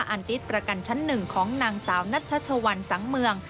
อันติ๊ดประกันชั้น๑ของนางสาวนัชวัลสังเมือง